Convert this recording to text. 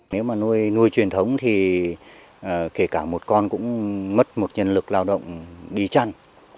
nếu mà nuôi nuôi truyền thống thì kể cả một con cũng mất một nhân lực lao động đi chăn